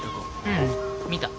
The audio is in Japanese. うん見た。